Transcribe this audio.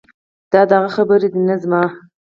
دا د هغه خبرې دي نه زما.